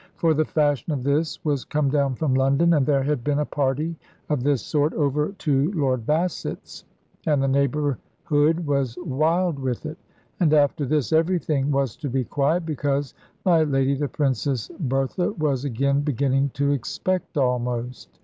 For the fashion of this was come down from London, and there had been a party of this sort over to Lord Bassett's; and the neighbourhood was wild with it. And after this everything was to be quiet, because my Lady the Princess Bertha was again beginning to expect almost.